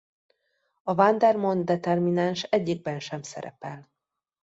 A Vandermonde-determináns egyikben sem szerepel.